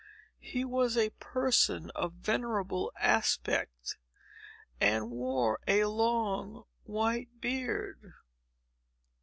He was a person of venerable aspect, and wore a long white beard.